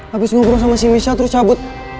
habis ngobrol sama si misha terus cabut